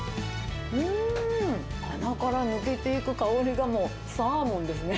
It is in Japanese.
鼻から抜けていく香りがもうサーモンですね。